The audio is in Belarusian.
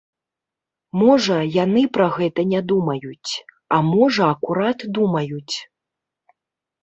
Можа, яны пра гэта не думаюць, а можа, акурат думаюць.